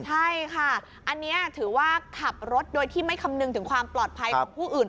ใช่ค่ะอันนี้ถือว่าขับรถโดยที่ไม่คำนึงถึงความปลอดภัยของผู้อื่น